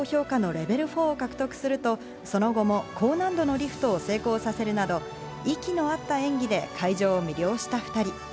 序盤のスピンで最高評価のレベル４を獲得すると、その後も高難度のリフトを成功させるなど、息の合った演技で会場を魅了した２人。